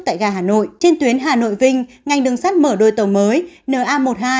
tại gà hà nội trên tuyến hà nội vinh ngành đường sắt mở đôi tàu mới na một mươi hai